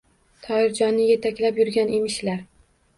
Toyirjonni yetaklab yurgan emishlar.